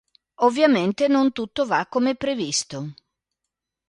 Ovviamente non tutto va come previsto.